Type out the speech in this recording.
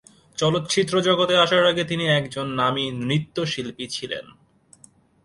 চলচ্চিত্র জগতে আসার আগে তিনি একজন নামী নৃত্যশিল্পী ছিলেন।